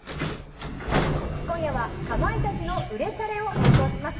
今夜は、かまいたちの売れチャレを放送します。